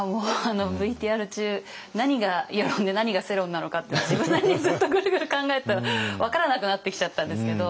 ＶＴＲ中何が輿論で何が世論なのかって自分なりにずっとぐるぐる考えてたら分からなくなってきちゃったんですけど。